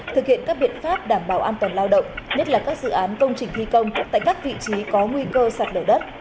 thực hiện các biện pháp đảm bảo an toàn lao động nhất là các dự án công trình thi công tại các vị trí có nguy cơ sạt lở đất